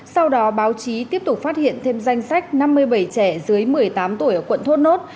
sau đó báo chí tiếp tục phát hiện thêm danh sách năm mươi bảy trẻ dưới một mươi tám tuổi ở quận thốt nốt